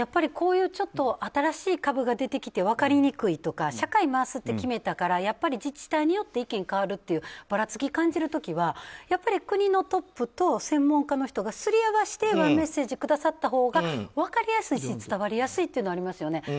こういう新しい株が出てきて分かりにくいとか社会を回すって決めたからやっぱり自治体によって意見が変わるというばらつきを感じる時は国のトップと専門家の人がすり合わせてワンメッセージをくださったほうが分かりやすいし伝わりやすいというのはありますよね。